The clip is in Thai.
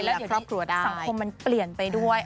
และสังคมมันเปลี่ยนไปด้วย